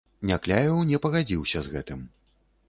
Някляеў не пагадзіўся з гэтым.